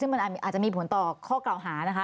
มันอาจจะมีผลต่อข้อกลาวหา